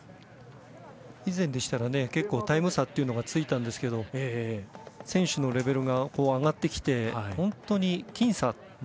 以前でしたら、結構タイム差がついたんですけども選手のレベルが上がってきて本当に僅差。